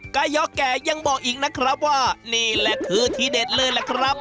กายอกแก่ยังบอกอีกนะครับว่านี่แหละคือที่เด็ดเลยล่ะครับ